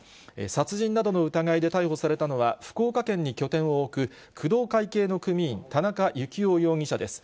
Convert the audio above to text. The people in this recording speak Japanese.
殺人などの疑いで逮捕されたのは、福岡県に拠点を置く、工藤会系の組員、田中幸雄容疑者です。